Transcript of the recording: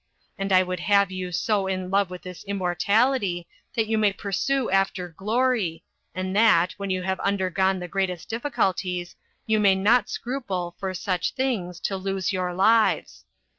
And I would have you so in love with this immortality, that you may pursue after glory, and that, when you have undergone the greatest difficulties, you may not scruple, for such things, to lose your lives.